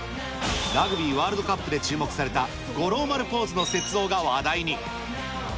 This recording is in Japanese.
ラグビーワールドカップで注目された五郎丸ポーズの雪像が話題に。